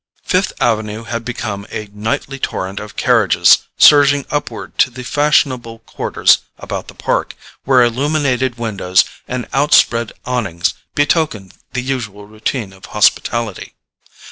Fifth Avenue had become a nightly torrent of carriages surging upward to the fashionable quarters about the Park, where illuminated windows and outspread awnings betokened the usual routine of hospitality.